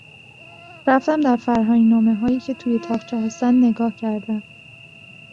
رفتم در فرهنگنامههایی که توی طاقچه هستند نگاه کردم.